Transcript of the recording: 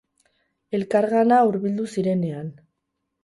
Elkargana hurbildu zirenean.